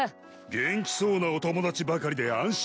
元気そうなお友達ばかりで安心しました。